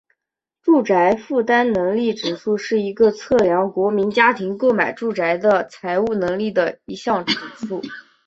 住宅负担能力指数是一个测量国民家庭购买住宅的财务能力的一项指数。